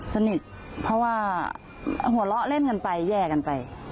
สนิทเพราะว่าหัวเราะเล่นกันไปแย่กันไป